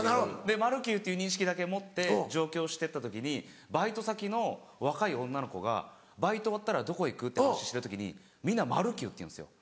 マルキュウっていう認識だけ持って上京してった時にバイト先の若い女の子がバイト終わったらどこ行く？って話してる時にみんな「マルキュー」って言うんですよ。